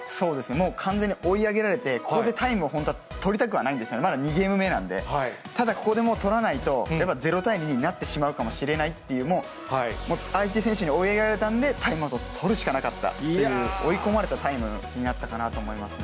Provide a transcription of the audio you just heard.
もう完全に追い上げられて、ここでタイム、本当は取りたくはないんですよね、まだ２ゲーム目なんで、ただ、ここでもう取らないと、やっぱ０対２になってしまうかもしれないっていう、相手選手に追い上げられたんで、タイムアウトを取るしかなかったっていう、追い込まれたタイムになったかなと思いますね。